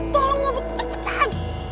tolong ngebut cepetan